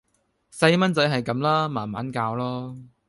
細孥仔係咁啦！慢慢教囉